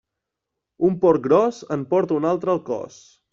Un porc gros en porta un altre al cos.